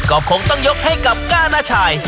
ก็คงต้องยกให้กับก้านาชาย